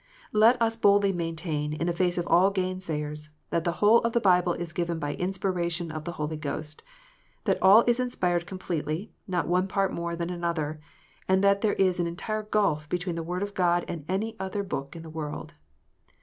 Let us boldly maintain, in the face of all gainsayers, that the whole of the Bible is given by inspiration of the Holy Ghost, that all is inspired completely, not one part more than another, and that there is an entire gulf between the Word of God and any other book in the world.